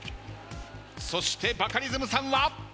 そしてバカリズムさんは？